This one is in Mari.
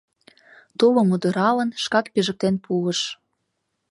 Тулым удыралын, шкак пижыктен пуыш.